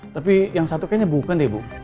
tapi yang satu kayaknya bukan deh bu